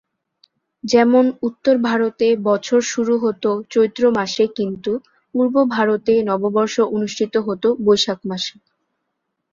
যেমন উত্তর ভারতে বছর শুরু হত চৈত্র মাসে কিন্তু পূর্ব ভারতে নববর্ষ অনুষ্ঠিত হত বৈশাখ মাসে।